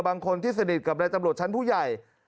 บางคนที่สนิทกับนายตำรวจชั้นผู้ใหญ่